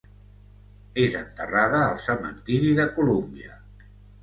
És enterrada al cementiri de Columbia.